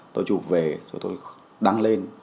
tôi chụp về rồi tôi đăng lên